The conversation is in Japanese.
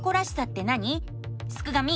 すくがミ！